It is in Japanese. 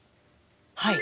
はい。